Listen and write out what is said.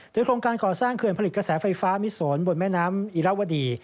โดยโครงการก่อสร้างเขื่อนผลิตกระแสไฟฟ้ามิสนบนแม่น้ำอิราวดี